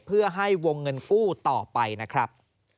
เพื่อให้วงเงินกู้ต่อไปนะครับ